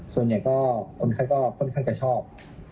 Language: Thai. ส่วนใหญ่ก็คนไข้ก็ค่อนข้างจะชอบ